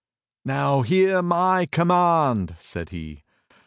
"Now hear my command," said he.